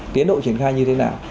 tiến độ triển khai như thế nào